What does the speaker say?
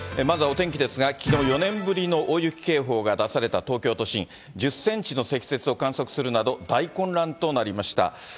まずはお天気ですが、きのう、４年ぶりの大雪警報が出された東京都心、１０センチの積雪を観測するなど、大混乱となりました。